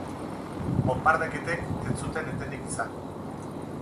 Bonbardaketek ez zuten etenik izan.